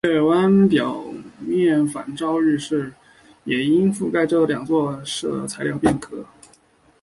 月湾表面反照率也因覆盖着这两座陨坑的射纹材料而变亮。